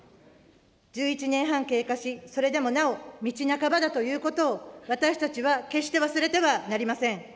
１１年半経過し、それでもなお、道半ばだということを、私たちは決して忘れてはなりません。